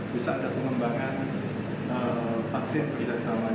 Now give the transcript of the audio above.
bisa ada pengembangan vaksin sejajar selamanya ini